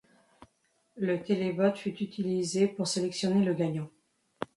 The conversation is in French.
Le télévote fut utilisé pour sélectionner le gagnant.